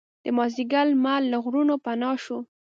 د مازدیګر لمر له غرونو پناه شو.